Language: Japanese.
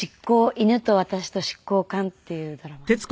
犬と私と執行官』っていうドラマです。